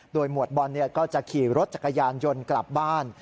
โดยหมวดบอลก็จะขี่รถจักรยานยนต์กลับบ้าน